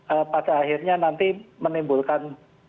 ee pada akhirnya nanti menimbulkan